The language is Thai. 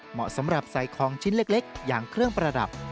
เหมาะสำหรับใส่ของชิ้นเล็กอย่างเครื่องประดับ